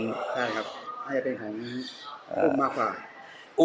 ใช่ครับให้เป็นของกุ้งมากกว่า